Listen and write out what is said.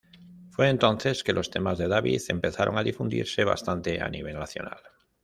Fue entonces que los temas de David empezaron a difundirse bastante a nivel nacional.